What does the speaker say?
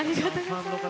ファンの方